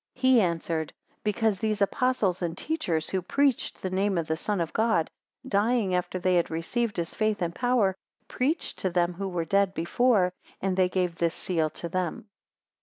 157 He answered, Because these Apostles and teachers, who preached the name of the Son of God, dying after they had received his faith and power, preached to them who were dead before: and they gave this seal to them.